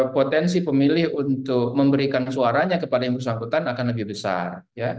potensi pemilih untuk memberikan suaranya kepada yang bersangkutan akan lebih besar